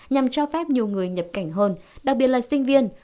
nhằm cho phép nhiều người nhập cảnh hơn đặc biệt là sinh viên